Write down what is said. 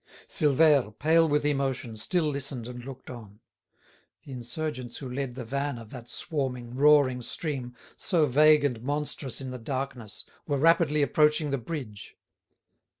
Silvère, pale with emotion, still listened and looked on. The insurgents who led the van of that swarming, roaring stream, so vague and monstrous in the darkness, were rapidly approaching the bridge.